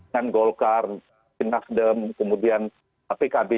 dan golkar nasdem kemudian pkb